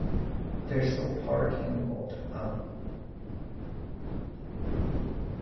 There is no parking lot at the stadium.